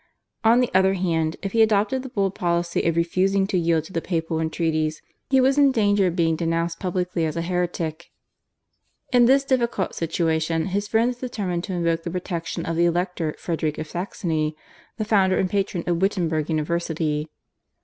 On the other hand, if he adopted the bold policy of refusing to yield to the papal entreaties he was in danger of being denounced publicly as a heretic. In this difficult situation his friends determined to invoke the protection of the Elector Frederick of Saxony, the founder and patron of Wittenberg University.